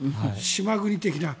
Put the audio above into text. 島国的な。